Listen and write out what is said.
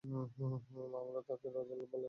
হুমমম আমরা তাকে রজার বলে ডাকবো?